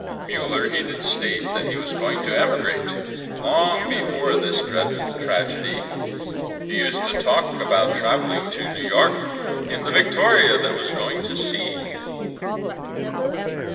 Muller he did state that he was going to emigrate Long before this dreadful tragedy; He often used to talk, about travelling to New York, In the Victoria, that was going to sea.